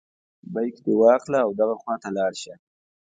بیک دې واخله او دغه خواته لاړ شه.